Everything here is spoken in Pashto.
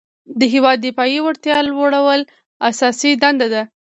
د هیواد دفاعي وړتیا لوړول اساسي دنده ده.